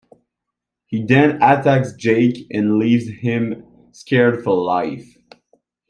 He then attacks Jake and leaves him scarred for life.